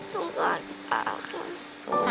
สงสารคุณตาค่ะ